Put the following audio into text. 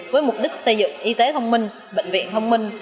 với mục đích xây dựng y tế thông minh bệnh viện thông minh